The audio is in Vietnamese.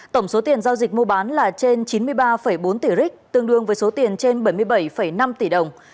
tổng số tiền giao dịch mua bán là trên chín mươi ba bốn tỷ ric tương đương với số tiền trên bảy mươi bảy năm tỷ đồng